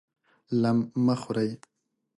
لم مه خورئ!